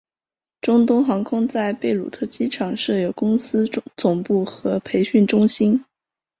中东航空在贝鲁特机场设有公司总部和培训中心。